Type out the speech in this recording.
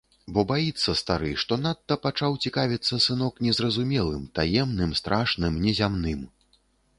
Бо баіцца стары, што надта пачаў цікавіцца сынок незразумелым, таемным, страшным, незямным.